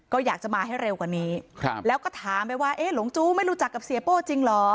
ก็อยากจะมาให้เร็วกว่านี้ครับแล้วก็ถามไปว่าเอ๊ะหลงจู้ไม่รู้จักกับเสียโป้จริงเหรอ